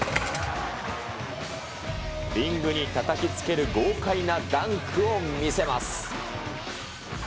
リングにたたきつける豪快なダンクを見せます。